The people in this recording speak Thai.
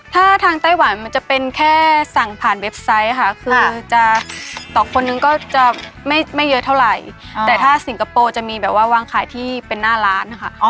ถ้าทางไต้หวันมันจะเป็นแค่สั่งผ่านเว็บไซต์ค่ะคือจะต่อคนนึงก็จะไม่เยอะเท่าไหร่แต่ถ้าสิงคโปร์จะมีแบบว่าวางขายที่เป็นหน้าร้านค่ะ